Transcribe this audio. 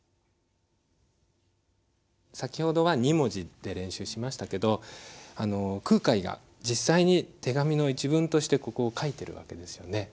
先ほどは２文字で練習しましたけど空海が実際に手紙の一文としてここを書いてる訳ですよね。